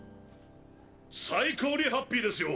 最高にハッピーですよ！